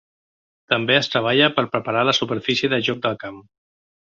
També es treballa per preparar la superfície de joc del camp.